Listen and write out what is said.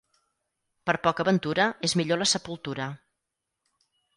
Per poca ventura és millor la sepultura.